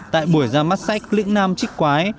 tại buổi ra mắt sách lĩnh nam trích quái